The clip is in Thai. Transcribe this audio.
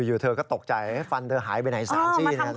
อยู่เธอก็ตกใจฟันเธอหายไปไหน๓ซี่